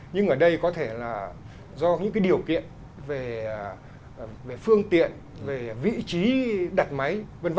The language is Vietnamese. nhưng ở đây có thể là do những điều kiện về phương tiện về vị trí đặt máy v v